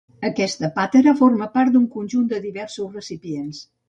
Aquesta pàtera forma part d'un conjunt de diversos recipients.